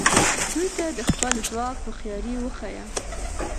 دوی ته د خپل ځواک هوښیاري وښایه.